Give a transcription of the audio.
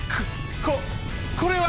ここれは！